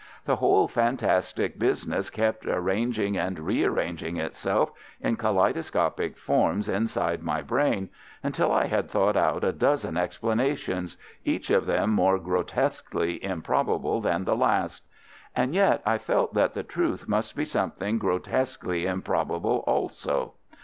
The whole fantastic business kept arranging and re arranging itself in kaleidoscopic forms inside my brain, until I had thought out a dozen explanations, each of them more grotesquely improbable than the last. And yet I felt that the truth must be something grotesquely improbable also.